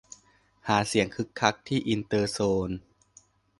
หาเสียงคึกคักที่อินเตอร์โซน